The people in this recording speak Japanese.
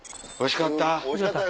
おいしかった。